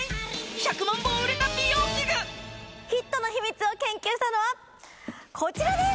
１００万本売れた美容器具ヒットの秘密を研究したのはこちらです